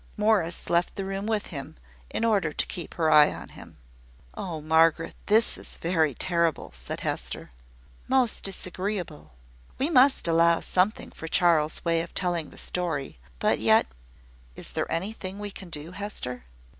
Morris left the room with him, in order to keep her eye upon him. "Oh, Margaret, this is very terrible!" said Hester. "Most disagreeable. We must allow something for Charles's way of telling the story. But yet is there anything we can do, Hester?"